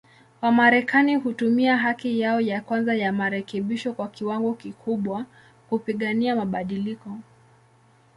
Wamarekani hutumia haki yao ya kwanza ya marekebisho kwa kiwango kikubwa, kupigania mabadiliko.